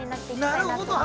◆なるほど。